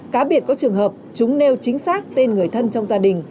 cá biệt có trường hợp chúng nêu chính xác tên người thân trong gia đình